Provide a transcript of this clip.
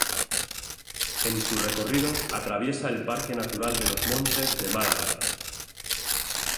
En su recorrido atraviesa el Parque Natural de los Montes de Málaga.